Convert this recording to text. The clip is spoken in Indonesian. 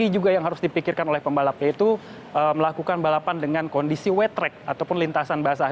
ini juga yang harus dipikirkan oleh pembalap yaitu melakukan balapan dengan kondisi wet track ataupun lintasan basah